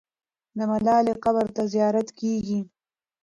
د ملالۍ قبر ته زیارت کېږي.